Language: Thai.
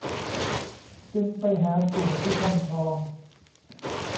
จึงไปหาสู่ที่ถ้ำทอง